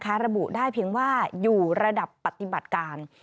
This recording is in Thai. ระบุได้เพียงว่าอยู่ระดับปฏิบัติการ